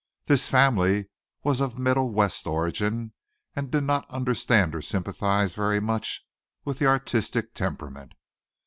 This family was of Middle West origin, and did not understand or sympathize very much with the artistic temperament.